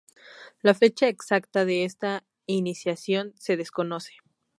La fecha exacta de esta iniciación se desconoce.